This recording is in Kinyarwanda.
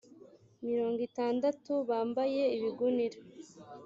mirongo itandatu bambaye ibigunira